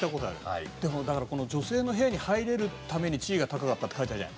でもだからこの女性の部屋に入れるために地位が高かったって書いてあるじゃん。